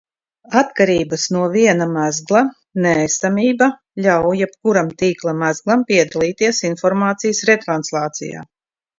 Atkarības no viena mezgla neesamība ļauj jebkuram tīkla mezglam piedalīties informācijas retranslācijā.